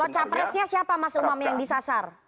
kalau capresnya siapa mas umam yang disasar